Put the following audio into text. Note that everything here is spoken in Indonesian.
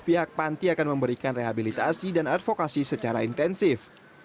pihak panti akan memberikan rehabilitasi dan advokasi secara intensif